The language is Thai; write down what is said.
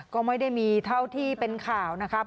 ก็ไม่ได้มีเท่าที่เป็นข่าวนะครับ